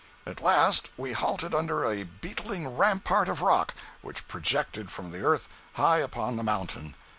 At last we halted under a beetling rampart of rock which projected from the earth high upon the mountain.